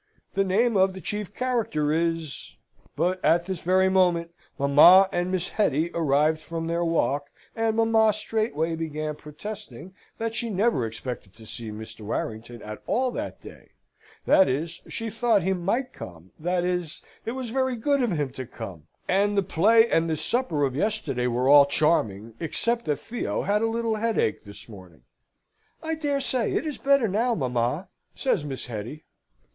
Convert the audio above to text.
The name of the chief character is " But at this very moment mamma and Miss Hetty arrived from their walk; and mamma straightway began protesting that she never expected to see Mr. Warrington at all that day that is, she thought he might come that is, it was very good of him to come, and the play and the supper of yesterday were all charming, except that Theo had a little headache this morning. "I dare say it is better now, mamma," says Miss Hetty.